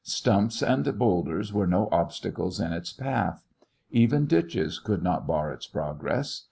Stumps and boulders were no obstacles in its path. Even ditches could not bar its progress.